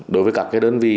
đối với các đơn vị